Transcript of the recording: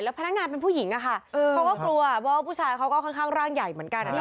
พนักงานเป็นผู้หญิงอะค่ะเขาก็กลัวเพราะผู้ชายเขาก็ค่อนข้างร่างใหญ่เหมือนกัน